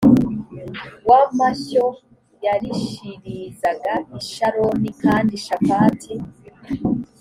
w amashyo yarishirizaga i sharoni kandi shafati